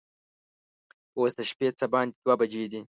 اوس د شپې څه باندې دوه بجې دي.